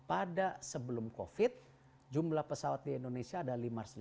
pada sebelum covid jumlah pesawat di indonesia ada lima ratus lima puluh